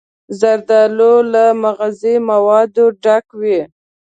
زردالو له مغذي موادو ډک وي.